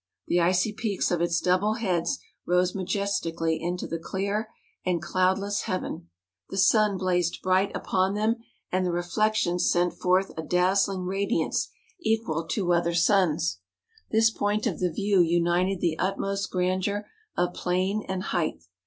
The icy peaks of its double heads rose majestically into the clear and 212 MOUNTAIN ADVENT UEES. cloudless heaven ; the sun blazed bright upon them and the reflection sent forth a dazzling radiance equal to other suns. This point of the view united the utmost grandeur of plain and height.